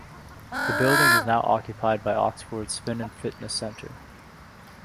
The building is now occupied by Oxford Spin and Fitness centre.